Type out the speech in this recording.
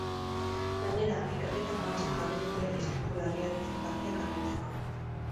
Gainera, ikerketa martxan jarri dute istripu larriaren zergatiak argitzeko.